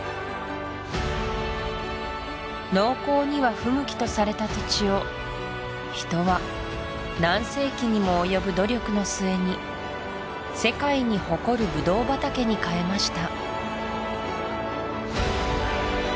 農耕には不向きとされた土地を人は何世紀にもおよぶ努力の末に世界に誇るブドウ畑に変えました